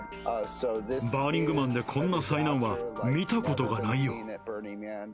バーニングマンでこんな災難は見たことがないよ。